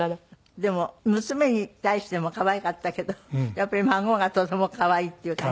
でも娘に対しても可愛かったけどやっぱり孫がとても可愛いっていう感じ。